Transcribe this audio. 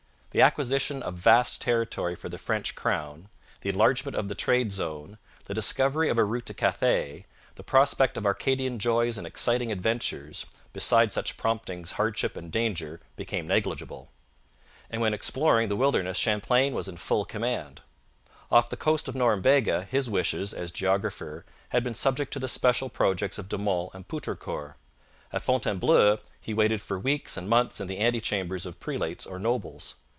The acquisition of vast territory for the French crown, the enlargement of the trade zone, the discovery of a route to Cathay, the prospect of Arcadian joys and exciting adventures beside such promptings hardship and danger became negligible. And when exploring the wilderness Champlain was in full command. Off the coast of Norumbega his wishes, as geographer, had been subject to the special projects of De Monts and Poutrincourt. At Fontainebleau he waited for weeks and months in the antechambers of prelates or nobles.